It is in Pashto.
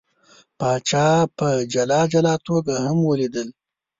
پاچا په جلا جلا توګه هم ولیدل.